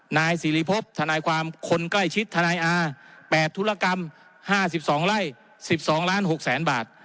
นายสิริพบทนายความคนใกล้ชิดทนายอา๘ธุรกรรม๕๒ไร่๑๒ล้าน๖แสนบาท